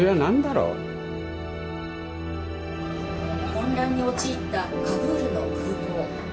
「混乱に陥ったカブールの空港」。